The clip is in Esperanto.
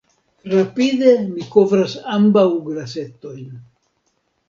Rapide mi kovras ambaŭ glasetojn.